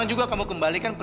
om jahat om bejat